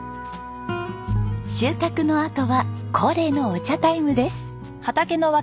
収穫のあとは恒例のお茶タイムです。